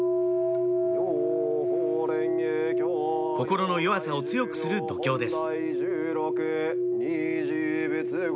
心の弱さを強くする読経です